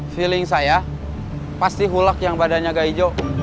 feeling saya pasti hulak yang badannya agak hijau